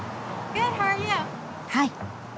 はい。